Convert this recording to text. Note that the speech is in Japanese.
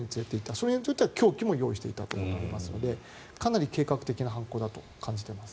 それによっては凶器を用意していたということになりますのでかなり計画的な犯行だと感じています。